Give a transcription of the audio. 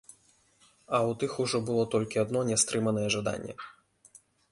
А ў тых ужо было толькі адно нястрыманае жаданне.